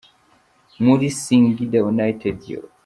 muri Singida United yo